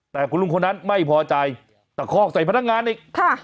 แต่คุณลุงคนนั้นไม่พอใจตะคอกใส่พนักงานอีกค่ะ